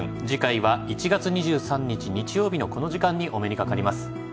７』次回は１月２３日日曜日のこの時間にお目にかかります。